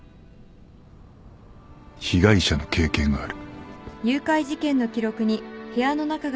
被害者の経験がある。